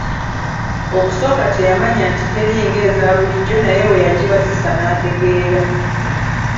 Okusooka teyamanya nti teri ng'eza bulijjo naye bwe yagibazisa n'ategeera.